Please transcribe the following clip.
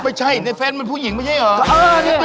ไม่ใช่ในแฟ้นเป็นผู้หญิงบะเย๊อะ